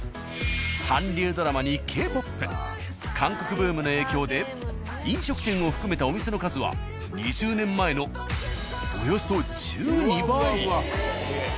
韓流ドラマにＫ−ＰＯＰ韓国ブームの影響で飲食店を含めたお店の数は２０年前のおよそ１２倍。